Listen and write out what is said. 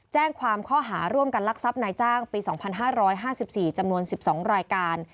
แจ้งความข้อหาร่วมกันลักทรัพย์นายจ้างปี๒๕๕๔จำนวน๑๒รายการ